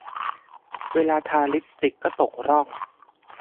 เวลาทาลิปสติกก็ตกร่อง